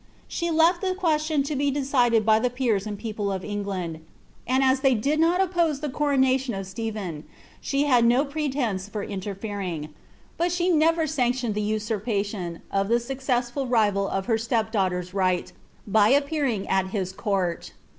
She lelt the question lo be decided by llw pMn and people of England; and as they did not oppose the ci to nam of Slephen, she bad no pretence for iulerfering ; but Gtie never MBCtioned the usurpation of the successful rival of her step daughter s ngbt, by appearing at his court.